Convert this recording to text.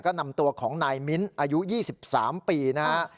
ก็นำตัวของนายมิ้นอายุ๒๓ปีนะฮะ